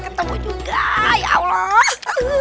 ketemu juga ya allah